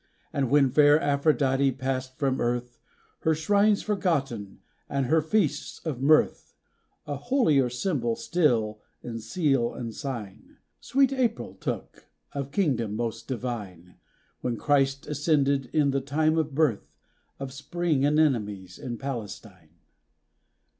And when fair Aphrodite passed from earth, Her shrines forgotten and her feasts of mirth, A holier symbol still in seal and sign, Sweet April took, of kingdom most divine, When Christ ascended, in the time of birth Of spring anemones, in Palestine.